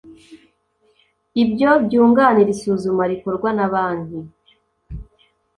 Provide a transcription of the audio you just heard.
ibyo byunganire isuzuma rikorwa na banki